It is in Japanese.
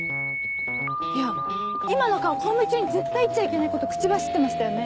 いや今の顔公務中に絶対言っちゃいけないこと口走ってましたよね？